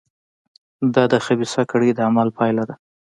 دا د خبیثه کړۍ د عمل پایله ده.